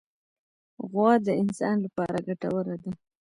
غوا د انسان لپاره ګټوره ده.